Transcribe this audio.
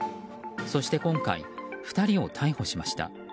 そして今回、２人を逮捕しました。